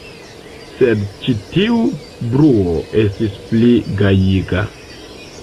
Sed ĉi tiu bruo estis pli gajiga.